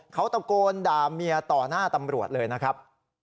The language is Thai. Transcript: เขาตะโกนด่าเมียต่อหน้าตำรวจเลยนะครับ